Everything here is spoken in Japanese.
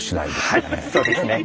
はいそうですね。